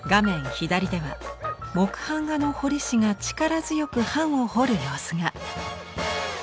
左では木版画の彫師が力強く版を彫る様子が。